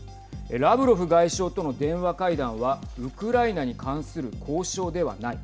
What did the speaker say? ラブロフ外相との電話会談はウクライナに関する交渉ではない。